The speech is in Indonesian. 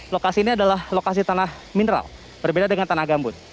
lokasi ini adalah lokasi tanah mineral berbeda dengan tanah gambut